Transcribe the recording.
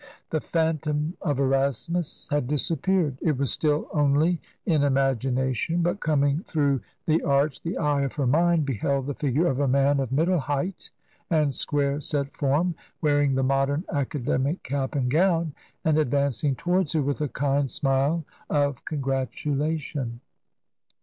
The phantom of Erasmus had disappeared. It was still only in imagination, but coming through the f 8 TRANSITION. arch the eye of her mind beheld the figure of a man of middle height and square set form, wearing the modem academic cap and gown, and advancing towards her with a kind smile of congratulation.